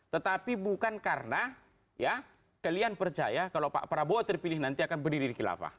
tetapi bukan karena ya kalian percaya kalau pak prabowo terpilih nanti akan berdiri di khilafah